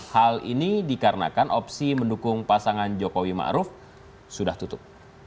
hal ini dikarenakan opsi mendukung pasangan jokowi ma'ruf sudah tutup